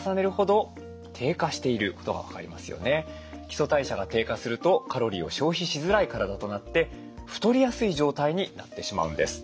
基礎代謝が低下するとカロリーを消費しづらい体となって太りやすい状態になってしまうんです。